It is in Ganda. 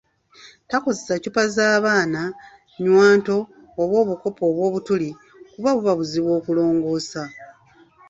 Tokozesa ccupa za baana, nnywanto oba obukopo obw'obutuli, kubanga buba buzibu okulongoosa